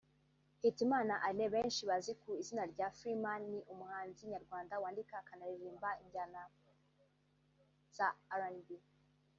Hitimana Alain benshi bazi ku izi rya Freeman ni umuhanzi nyarwanda wandika akanaririmba injyana mu njyana za RnB